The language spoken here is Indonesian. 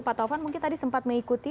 pak taufan mungkin tadi sempat mengikuti